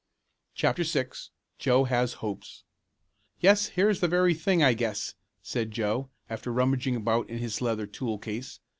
CHAPTER VI JOE HAS HOPES "Yes, here's the very thing, I guess!" said Joe, after rummaging about in his leather tool case.